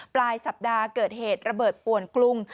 ปลายสัปดาห์เกิดเหตุระเบิดป่วนกรุง